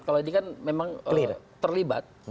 kalau ini kan memang terlibat